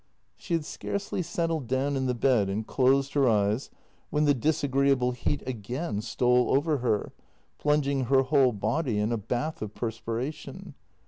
She had scarcely settled down in the bed and closed her eyes when the disagreeable heat again stole over her, plunging her whole body in a bath of perspiration.